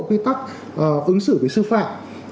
quy tắc ứng xử với sư phạm